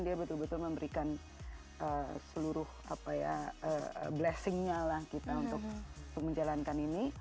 dia betul betul memberikan seluruh blessingnya lah kita untuk menjalankan ini